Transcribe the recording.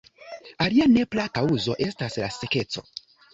Alia nepra kaŭzo estas la sekeco.